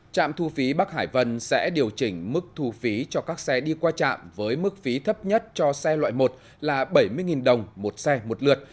trạm thu phí bắc hải vân sẽ điều chỉnh mức thu phí cho các xe đi qua trạm với mức phí thấp nhất cho xe loại một là bảy mươi đồng một xe một lượt